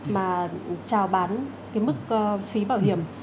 mà trào bán cái mức phí bảo hiểm